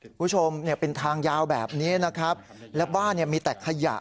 คุณผู้ชมเนี่ยเป็นทางยาวแบบนี้นะครับแล้วบ้านเนี่ยมีแต่ขยะ